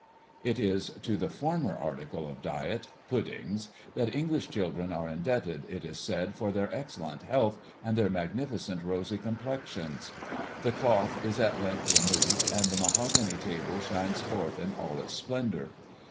It is to the former article of diet (puddings), that English children are indebted, it is said, for their excellent health, and their magnificent rosy complexions. The cloth is at length removed, and the mahogany table shines forth in all its splendour.